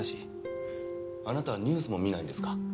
あなたはニュースも見ないんですか？